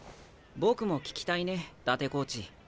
僕も聞きたいね伊達コーチ。